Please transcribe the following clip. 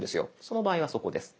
その場合はそこです。